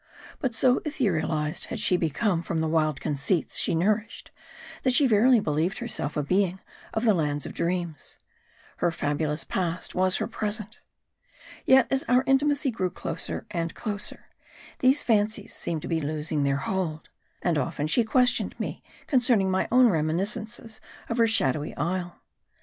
But so etherealized had she become from the wild conceits she nourished, that she verily believed herself a being of the lands of dreams. Her fabulous past was her present. Yet as our intimacy grew closer and closer, these fancies seemed to be losing their hold. And often she questioned me concerning my own reminiscences of her shadowy isle.